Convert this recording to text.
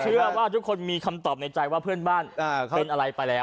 เชื่อว่าทุกคนมีคำตอบในใจว่าเพื่อนบ้านเป็นอะไรไปแล้ว